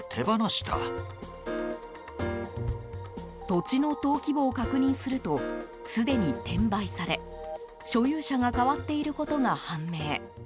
土地の登記簿を確認するとすでに転売され所有者が変わっていることが判明。